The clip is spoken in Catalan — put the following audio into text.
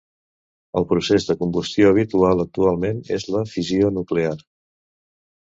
El procés de combustió habitual actualment és la fissió nuclear.